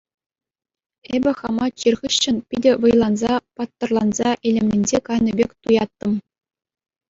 Эпӗ хама чир хыҫҫӑн питӗ вӑйланса, паттӑрланса, илемленсе кайнӑ пек туяттӑм.